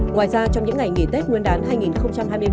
ngoài ra trong những ngày nghỉ tết nguyên đán hai nghìn hai mươi ba